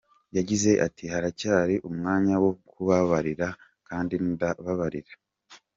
Yagize ati: “haracyari umwanya wo kubabarira, kandi ndababarira.